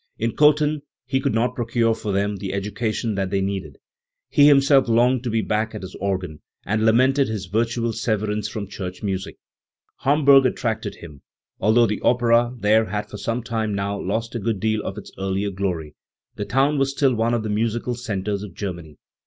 In Cothen he could not procure for them the education that they needed. He himself longed to be back at his organ, and lamented his virtual severance from church music. Hamburg attracted him. Although the opera there had for some time now lost a good deal of its earlier glory, the town was still one of the musical centres of Germany.